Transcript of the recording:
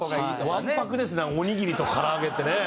わんぱくですねおにぎりと唐揚げってね。